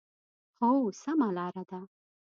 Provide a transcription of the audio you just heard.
هو، سمه لار ده